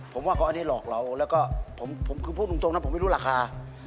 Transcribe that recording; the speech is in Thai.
ผมว่าเขาอันนี้หลอกเราแล้วก็ผมคือพูดตรงนะผมไม่รู้ราคา